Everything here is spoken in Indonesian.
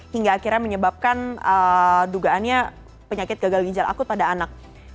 hingga akhirnya menyebabkan dugaannya penyakit gagal ginjal akut pada anak